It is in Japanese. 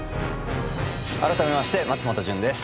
改めまして松本潤です。